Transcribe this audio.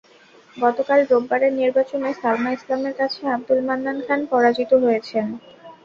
গতকাল রোববারের নির্বাচনে সালমা ইসলামের কাছে আব্দুল মান্নান খান পরাজিত হয়েছেন।